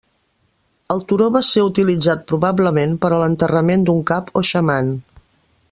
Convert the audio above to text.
El turó va ser utilitzat probablement per a l'enterrament d'un cap o xaman.